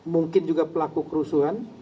mungkin juga pelaku kerusuhan